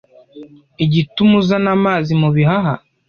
igituma uzana amazi mu bihaha